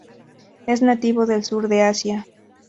Es nativo del sur de Asia.